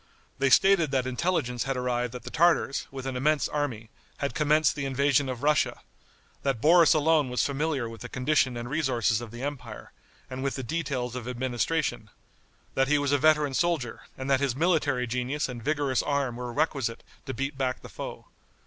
They stated that intelligence had arrived that the Tartars, with an immense army, had commenced the invasion of Russia; that Boris alone was familiar with the condition and resources of the empire, and with the details of administration that he was a veteran soldier, and that his military genius and vigorous arm were requisite to beat back the foe.